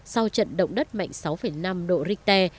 sau trận động đất mạnh sáu năm độ richter